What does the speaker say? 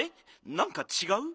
なんかちがう？